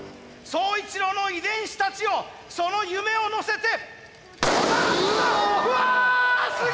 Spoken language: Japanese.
宗一郎の遺伝子たちよその夢を乗せて。